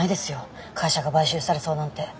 会社が買収されそうなんて。